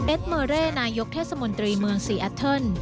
เอตเมอเตรนายกเทศมนตรีเมืองซีแอะเทิล